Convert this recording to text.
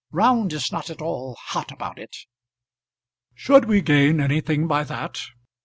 Round is not at all hot about it." "Should we gain anything by that?